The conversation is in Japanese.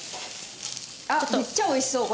あっめっちゃ美味しそう。